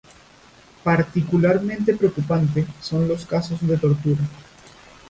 Particularmente preocupante son los casos de tortura.